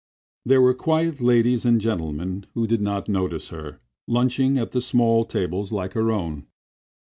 There were quiet ladies and gentlemen, who did not notice her, lunching at the small tables like her own.